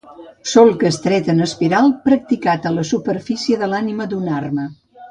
Solc estret en espiral practicat a la superfície de l'ànima d'una arma.